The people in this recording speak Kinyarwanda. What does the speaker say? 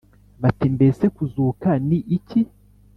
bati"mbese kuzuka ni iki?"